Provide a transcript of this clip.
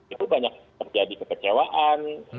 itu banyak terjadi kekecewaan